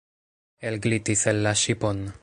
Elglitis el la ŝipon.